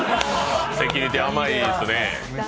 セキュリティー甘いですね。